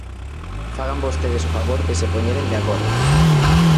Fagan vostedes o favor de se poñeren de acordo.